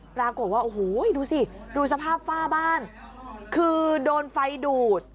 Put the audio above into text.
ปรากฏว่าโอ้โหดูสิดูสภาพฝ้าบ้านคือโดนไฟดูด